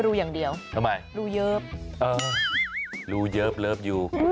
รู้เยอะแบบเลิฟอยู่